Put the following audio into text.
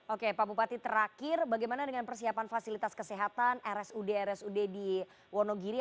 oke pak bupati terakhir bagaimana dengan persiapan fasilitas kesehatan rsud rsud di wonogiri